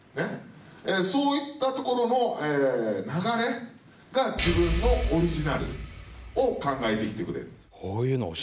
そういったところの流れが自分のオリジナルを考えてきてくれ。